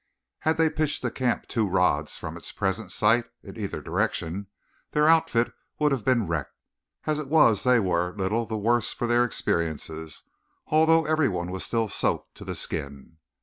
Had they pitched the camp two rods from it's present site, in either direction, their outfit would have been wrecked. As it was they were little the worse for their experiences although everyone was still soaked to the skin.